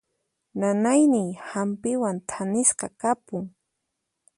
Nanayniy hampiwan thanisqa kapun.